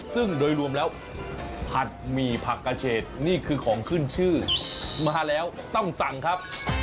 ซึ่งโดยรวมแล้วผัดหมี่ผักกระเชษนี่คือของขึ้นชื่อมาแล้วต้องสั่งครับ